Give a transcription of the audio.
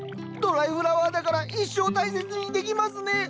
ドライフラワーだから一生大切にできますね。